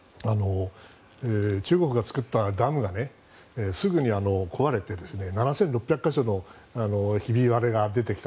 中国が造ったダムがすぐに壊れて７６００か所のひび割れが出てきた。